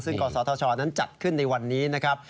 ซึ่งกศธชนั้นจัดขึ้นในวันนี้นะครับ